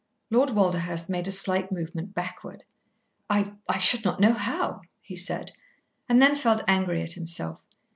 Lord Walderhurst made a slight movement backward. "I I should not know how," he said, and then felt angry at himself.